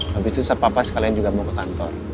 habis itu saya papa sekalian juga mau ke kantor